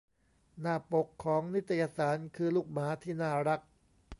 หน้าปกของนิตยสารคือลูกหมาที่น่ารัก